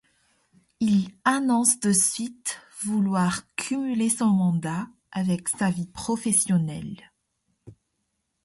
Il annonce de suite vouloir cumuler son mandat avec sa vie professionnelle.